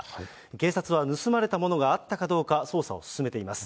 警察は盗まれたものがあったかどうか捜査を進めています。